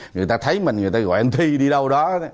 người ta thấy mình người ta gọi anh thi đi đâu đó